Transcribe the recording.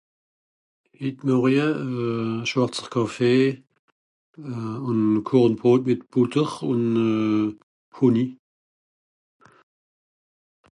hit morje euh a schwàrzer kàffee ùn euh kornbròt mìt bùtter ùn euh honi